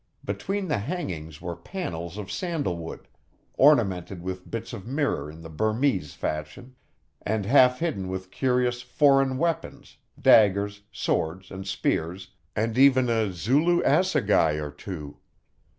Between the hangings were panels of sandal wood, ornamented with bits of mirror in the Burmese fashion, and half hidden with curious foreign weapons, daggers, swords, and spears, and even a Zulu assegai or two.